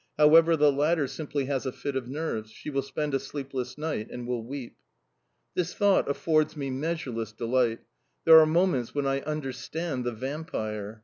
However, the latter simply has a fit of nerves: she will spend a sleepless night, and will weep. This thought affords me measureless delight: there are moments when I understand the Vampire...